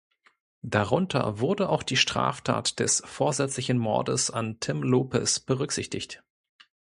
Darunter wurde auch die Straftat des vorsätzlichen Mordes an Tim Lopes berücksichtigt.